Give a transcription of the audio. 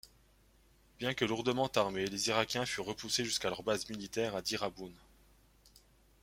Bien que lourdement armés, les Irakiens furent repoussés jusqu'à leur base militaire à Dirabun.